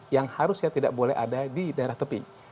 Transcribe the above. yang harus ya tidak boleh ada di darah tepi